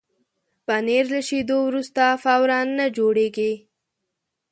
پنېر له شیدو وروسته فوراً نه جوړېږي.